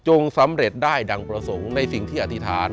สำเร็จได้ดังประสงค์ในสิ่งที่อธิษฐาน